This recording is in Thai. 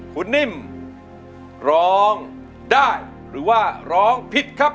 คุณนิ่มร้องได้หรือว่าร้องผิดครับ